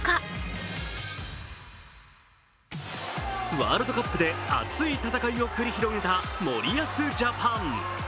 ワールドカップで熱い戦いを繰り広げた森保ジャパン。